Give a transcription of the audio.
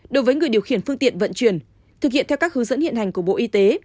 đối với người điều khiển phương tiện vận chuyển thực hiện theo các hướng dẫn hiện hành của bộ y tế